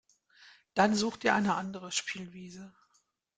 Dann such dir eine andere Spielwiese.